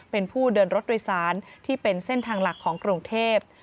เป็นผู้เดินรถโดยสารที่เป็นเส้นทางหลักของกรุงเทพ